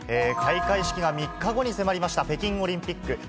開会式が３日後に迫りました、北京オリンピック。